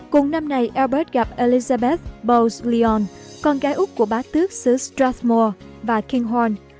cùng năm này albert gặp elizabeth bowes leon con gái úc của bá tước xứ strathmore và kinghorn